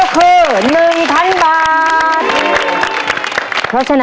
หนึ่งล้าน